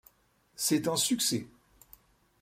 C'est un succès.